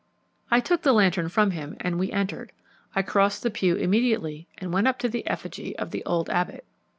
I took the lantern from him and we entered. I crossed the pew immediately and went up to the effigy of the old abbot.